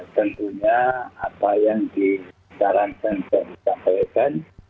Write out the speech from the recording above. tentunya apa yang disarankan dan disampaikan